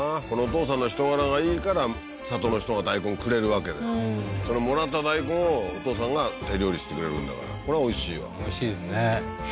このお父さんの人柄がいいから里の人が大根くれるわけでそのもらった大根をお父さんが手料理してくれるんだからこれはおいしいわおいしいですね